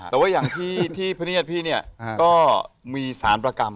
แต่ว่าอย่างที่พระเนียดพี่เนี่ยก็มีสารประกรรม